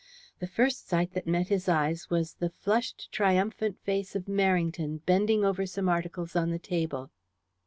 The first sight that met his eye was the flushed triumphant face of Merrington bending over some articles on the table.